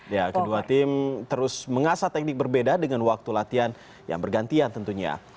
ya kedua tim terus mengasah teknik berbeda dengan waktu latihan yang bergantian tentunya